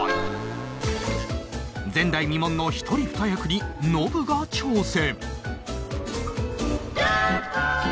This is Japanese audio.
前代未聞の１人２役にノブが挑戦